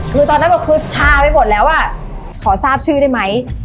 คือตอนนั้นบอกคือชาไปหมดแล้วอ่ะขอทราบชื่อได้ไหม